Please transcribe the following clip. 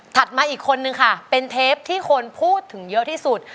มาอีกคนนึงค่ะเป็นเทปที่คนพูดถึงเยอะที่สุด